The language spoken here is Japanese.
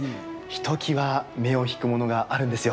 ひときわ目を引くものがあるんですよ。